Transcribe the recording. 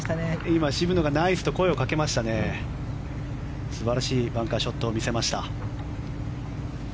今、渋野がナイスと声をかけましたね素晴らしいバンカーショットを見せました。